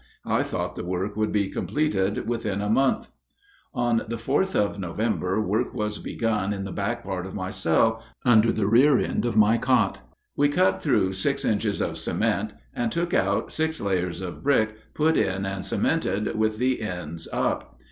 I thought the work could be completed within a month. On the 4th of November work was begun in the back part of my cell, under the rear end of my cot. We cut through six inches of cement, and took out six layers of brick put in and cemented with the ends up.